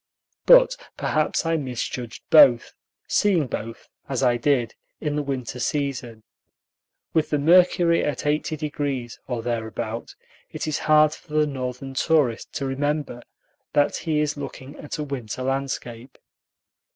But perhaps I misjudged both, seeing both, as I did, in the winter season. With the mercury at 80°, or thereabout, it is hard for the Northern tourist to remember that he is looking at a winter landscape.